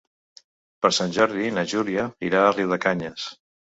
Per Sant Jordi na Júlia irà a Riudecanyes.